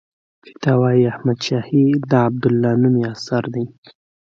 فتاوی احمدشاهي د عبدالله نومي اثر دی.